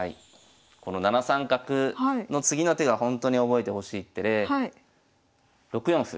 この７三角の次の手がほんとに覚えてほしい一手で６四歩。